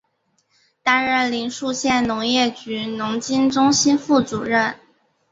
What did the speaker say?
担任临沭县农业局农经中心副主任。